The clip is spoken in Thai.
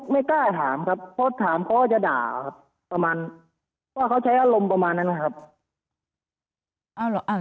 ไม่กล้าถามครับเพราะถามเขาก็จะด่าครับประมาณว่าเขาใช้อารมณ์ประมาณนั้นนะครับ